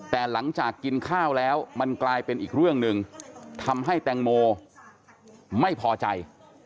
แต่หลังจากกินข้าวแล้วมันกลายเป็นอีกเรื่องหนึ่งทำให้แตงโมไม่พอใจ